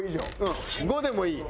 ５でもいい。